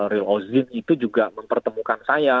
real ozin itu juga mempertemukan saya